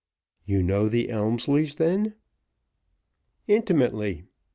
"You know the Elmslies then?" "Intimately.